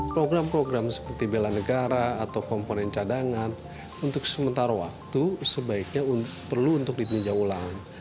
program program seperti bela negara atau komponen cadangan untuk sementara waktu sebaiknya perlu untuk ditinjau ulang